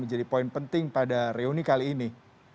menjadi poin penting pada reuni kali ini